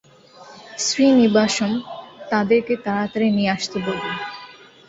শ্রীনিবাসম, তাদেরকে তাড়াতাড়ি নিয়ে আসতে বলুন।